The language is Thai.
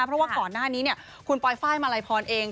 เพราะว่าก่อนหน้านี้เนี่ยคุณปอยฟ้ายมาลัยพรเอง